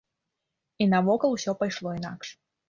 І навокал усё пайшло інакш.